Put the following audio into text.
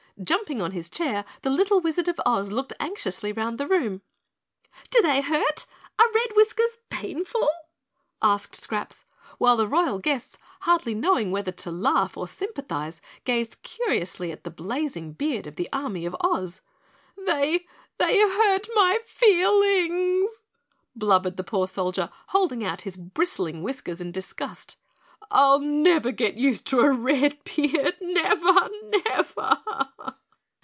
Jumping on his chair, the Little Wizard of Oz looked anxiously around the room. "Do they hurt? Are red whiskers painful?" asked Scraps, while the Royal guests, hardly knowing whether to laugh or sympathize, gazed curiously at the blazing beard of the Army of Oz. "They they hurt my feelings," blubbered the poor Soldier, holding out his bristling whiskers in disgust. "I'll never get used to a red beard. Never! Never!"